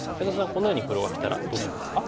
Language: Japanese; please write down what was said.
このように黒がきたらどうしますか？